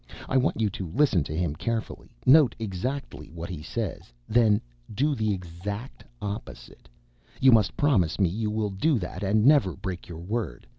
I want you to listen to him carefully, note exactly what he says, then do the exact opposite. You must promise me you will do that and never break your word.